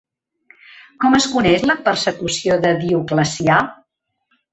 Com es coneix la persecució de Dioclecià?